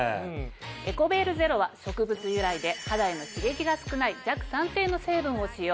「エコベールゼロ」は植物由来で肌への刺激が少ない弱酸性の成分を使用。